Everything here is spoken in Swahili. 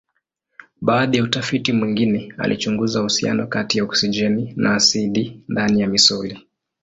Baadhi ya utafiti mwingine alichunguza uhusiano kati ya oksijeni na asidi ndani ya misuli.